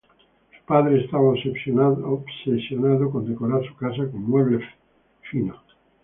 Su padre estaba obsesionado con decorar su casa con muebles finos.